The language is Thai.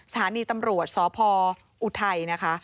สถานีตำรวจสพออุทัยนะคะ